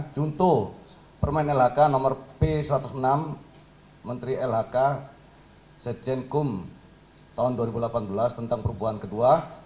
contoh permen lhk nomor p satu ratus enam menteri lhk setjen kum tahun dua ribu delapan belas tentang perubahan kedua